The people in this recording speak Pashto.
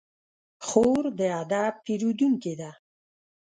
خور د ادب پېرودونکې ده.